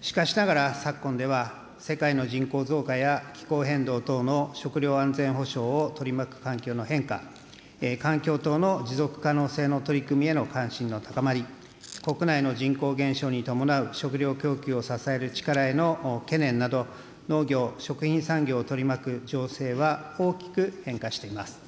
しかしながら、昨今では世界の人口増加や、気候変動等の食料安全保障を取り巻く環境の変化、環境等の持続可能性の取り組みへの関心の高まり、国内の人口減少に伴う食料供給を支える力への懸念など、農業、食品産業を取り巻く情勢は大きく変化しています。